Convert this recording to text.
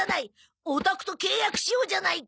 オタクと契約しようじゃないか。